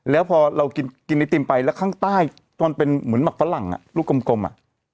แล้วพอเรากินไอติมไปแล้วข้างใต้มันเป็นเหมือนหมักฝรั่งลูกกลมอ่ะ